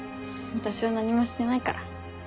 私は何もしてないから。